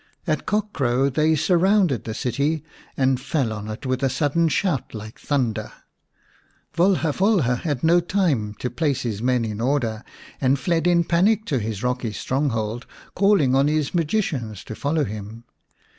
At cock crow they surrounded the city, and fell on it with a sudden shout like thunder. Volha Volha had no time to place his men in order, and fled in panic to his rocky stronghold, calling on his magicians to follow him.